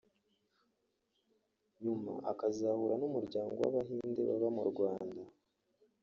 nyuma akazahura n’Umuryango w’Abahinde baba mu Rwanda